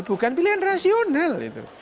hal bukan pilihan rasional